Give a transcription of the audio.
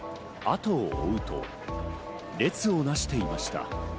後を追うと、列をなしていました。